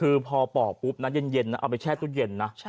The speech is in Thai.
คือพอปอกปุ๊บนะเย็นนะเอาไปแช่ตู้เย็นนะ